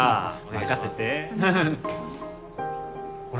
・任せてほら